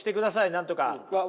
なんとか。